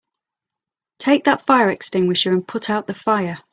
Take that fire extinguisher and put out the fire!